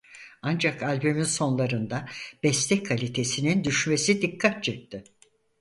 Ancak albümün sonlarında beste kalitesinin düşmesi dikkat çekti.